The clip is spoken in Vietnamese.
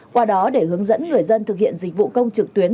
qua đó để hướng dẫn người dân thực hiện dịch vụ công trực tuyến